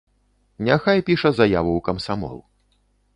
Няхай піша заяву ў камсамол.